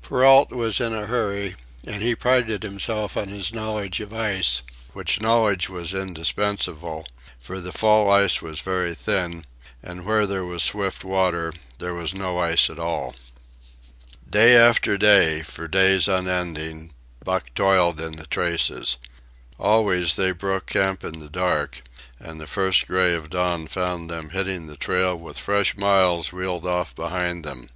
Perrault was in a hurry, and he prided himself on his knowledge of ice, which knowledge was indispensable, for the fall ice was very thin, and where there was swift water, there was no ice at all. Day after day, for days unending, Buck toiled in the traces. Always, they broke camp in the dark, and the first gray of dawn found them hitting the trail with fresh miles reeled off behind them.